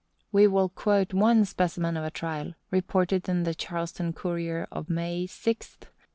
We will quote one specimen of a trial, reported in the Charleston Courier of May 6th, 1847.